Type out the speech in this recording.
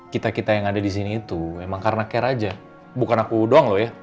kita kita yang ada di sini itu memang karena care aja bukan aku doang loh ya